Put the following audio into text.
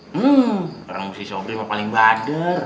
hmm orang usia sobri mah paling bader